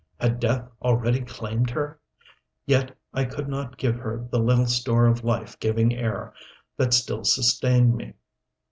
Had death already claimed her? Yet I could not give her the little store of life giving air that still sustained me.